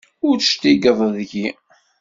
Ur d-tecligeḍ deg-i.